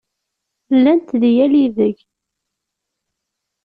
Llant deg yal ideg!